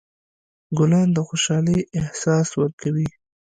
ګلان د خوشحالۍ احساس ورکوي.